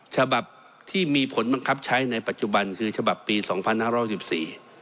ฉบับที่มีผลบังคับใช้ในปัจจุบันคือฉบับปีสองพันห้าร้อยสิบสี่